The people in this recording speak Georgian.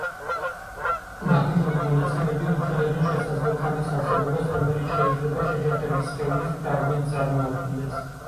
მაგნიტური მონაცემები უჩვენებენ შესაძლო ქანის არსებობას, რომელიც შეიძლება შეჯახების სხეულის ფრაგმენტს წარმოადგენდეს.